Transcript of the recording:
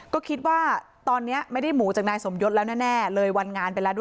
ก็คิดว่าตอนนี้ไม่ได้หมูจากนายสมยศแล้วแน่เลยวันงานไปแล้วด้วย